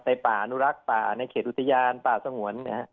ในป่านุรักษ์ป่าในเขตอุตยานป่าสงวนเนี้ยฮะ